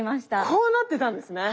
こうなってたんですね。